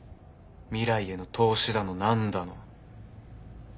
未来への投資だのなんだの。